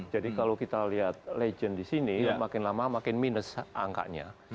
jadi kalau kita lihat legend di sini makin lama makin minus angkanya